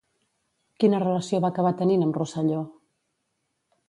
Quina relació va acabar tenint amb Rosselló?